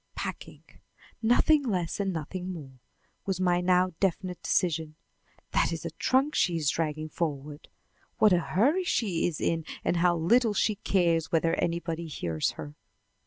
"Packing! Nothing less and nothing more," was my now definite decision. "That is a trunk she is dragging forward. What a hurry she is in, and how little she cares whether anybody hears her!"